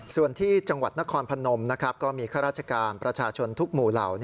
ส่วนที่จังหวัดนครพนมก็มีข้าราชการประชาชนทุกหมู่เหล่า